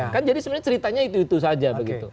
kan jadi sebenarnya ceritanya itu itu saja begitu